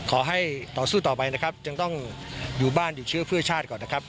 ขอให้ต่อสู้ต่อไปนะครับจึงต้องอยู่บ้านอยู่เชื้อเพื่อชาติก่อนนะครับ